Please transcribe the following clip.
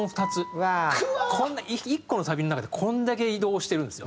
こんな１個のサビの中でこれだけ移動してるんですよ。